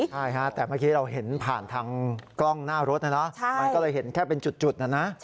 ใช่ค่ะแต่เมื่อกี้เห็นผ่านทางกล้องหน้ารถอันนี้นะมันก็เลยเห็นแค่เป็นจุด